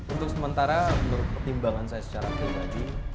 untuk sementara menurut pertimbangan saya secara pribadi